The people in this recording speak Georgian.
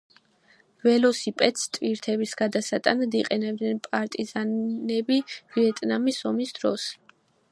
ველოსიპედს ტვირთების გადასატანად იყენებდნენ პარტიზანები ვიეტნამის ომის დროს.